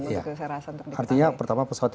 untuk saya rasa untuk pertama pesawat itu